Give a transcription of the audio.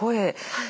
はい。